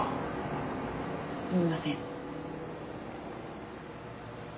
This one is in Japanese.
すみません。